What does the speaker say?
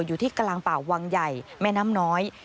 อยู่ที่กลางป่าวังใหญ่แม่น้ำน้อย